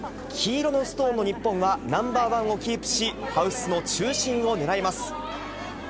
黄色のストーンの日本はナンバーワンをキープし、ハウスの中心を狙います。